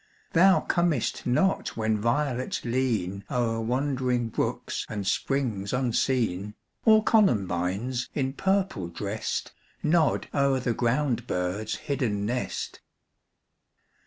Thou comest not when violets lean O'er wandering brooks and springs unseen, Or columbines, in purple dressed, Nod o'er the ground bird's hidden nest.